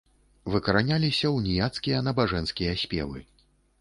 Выкараняліся уніяцкія набажэнскія спевы.